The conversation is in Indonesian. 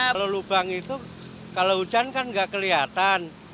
kalau lubang itu kalau hujan kan nggak kelihatan